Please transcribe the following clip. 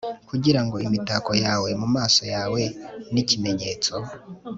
Kugira ngo imitako yawe mumaso yawe nikimenyetso